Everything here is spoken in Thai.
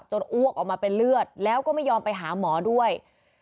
อ้วกออกมาเป็นเลือดแล้วก็ไม่ยอมไปหาหมอด้วย